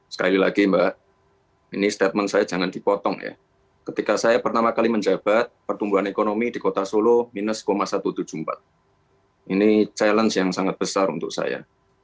sekali lagi mbak ini statement saya jangan dipotong ya ketika saya pertama kali menjabat pertumbuhan ekonomi di kota solo minus satu ratus tujuh puluh empat ini challenge yang sangat besar untuk saya